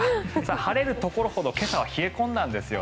晴れるところほど今朝は冷え込んだんですね。